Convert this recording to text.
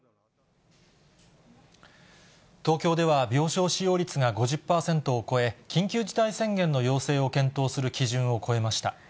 東京では病床使用率が５０％を超え、緊急事態宣言の要請を検討する基準を超えました。